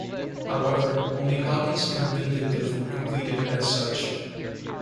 However, only "Hawkins" and "Vindictive" were completed as such.